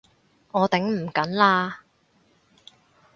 我頂唔緊喇！